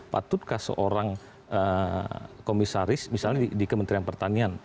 patutkah seorang komisaris misalnya di kementerian pertanian